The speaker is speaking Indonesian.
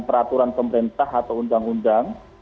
peraturan pemerintah atau undang undang